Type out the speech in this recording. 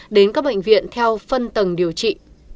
đến các bệnh viện theo phân tầng điều trị